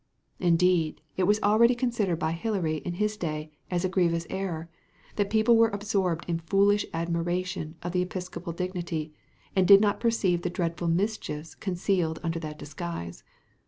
Indeed it was already considered by Hilary in his day as a grievous error, that people were absorbed in foolish admiration of the episcopal dignity, and did not perceive the dreadful mischiefs concealed under that disguise.